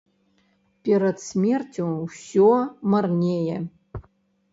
Перад смерцю ўсё марнее.